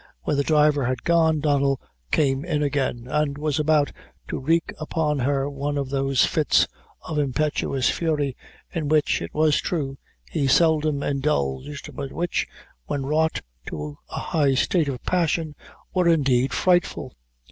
When the driver had gone, Donnel came in again, and was about to wreak upon her one of those fits of impetuous fury, in which, it was true, he seldom indulged, but which, when wrought to a high state of passion, were indeed frightful.